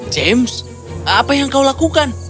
james apa yang kau lakukan